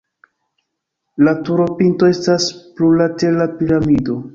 La turopinto estas plurlatera piramido.